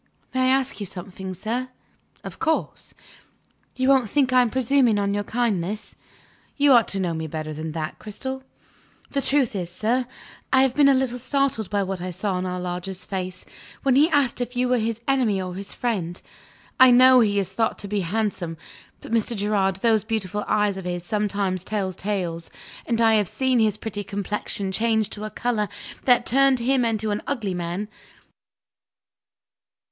May I ask you something, sir?" "Of course!" "You won't think I am presuming on your kindness?" "You ought to know me better than that, Cristel!" "The truth is, sir, I have been a little startled by what I saw in our lodger's face, when he asked if you were his enemy or his friend. I know he is thought to be handsome but, Mr. Gerard, those beautiful eyes of his sometimes tell tales; and I have seen his pretty complexion change to a color that turned him into an ugly man.